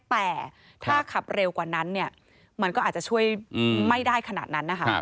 แต่ถ้าขับเร็วกว่านั้นเนี่ยมันก็อาจจะช่วยไม่ได้ขนาดนั้นนะคะ